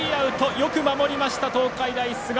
よく守りました、東海大菅生。